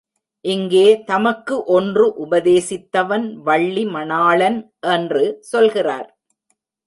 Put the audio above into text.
இங்கே தமக்கு ஒன்று உபதேசித்தவன் வள்ளி மணாளன் என்று சொல்கிறார்.